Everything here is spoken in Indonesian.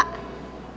lu ngajak gue